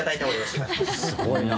すごいな。